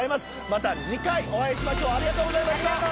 また次回お会いしましょうありがとうございました！